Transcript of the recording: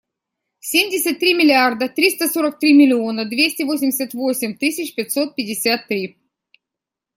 Семьдесят три миллиарда триста сорок три миллиона двести восемьдесят восемь тысяч пятьсот пятьдесят три.